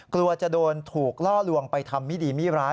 กลัวจะโดนถูกล่อลวงไปทำมิดีมิร้าย